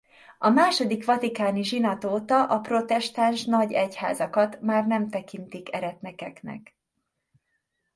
A második vatikáni zsinat óta a protestáns nagy egyházakat már nem tekintik eretnekeknek.